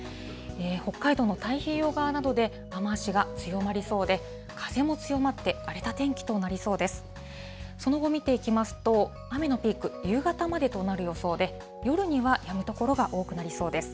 北海道の太平洋側などで雨足が強まりそうで、風も強まって、荒れた天気となりそうです。